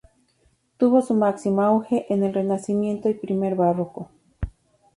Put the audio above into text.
Tuvo su máximo auge en el Renacimiento y primer Barroco.